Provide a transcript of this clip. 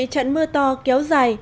trận mưa to kéo dài